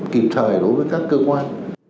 kịp thời đối với các cơ quan